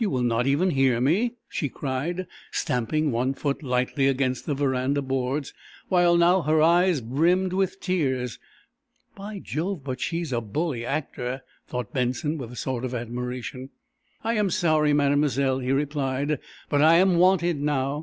"You will not even hear me?" she cried, stamping one foot lightly against the veranda boards, while now her eyes brimmed with tears. "By jove, but she's a bully actor," thought Benson, with a sort of admiration. "I am sorry, Mademoiselle," he replied, "But I am wanted now.